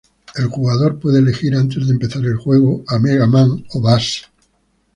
El jugador puede elegir antes de empezar el juego a Mega Man o Bass.